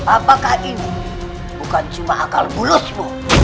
apakah ini bukan cuma akal bulusmu